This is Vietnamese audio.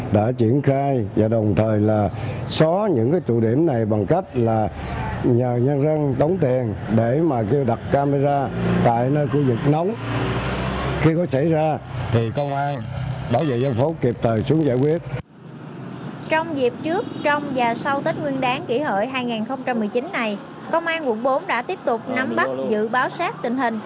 để cho người dân rút được để có tiền tiêu tết